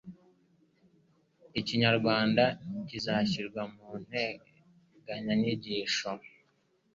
ikinyarwanda kizashyirwa mu nteganyanyigisho